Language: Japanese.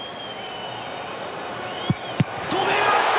止めました！